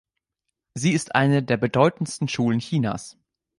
Sie ist eine der bedeutendsten Schulen Chinas.